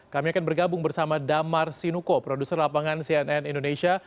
kami akan bergabung bersama damar sinuko produser lapangan cnn indonesia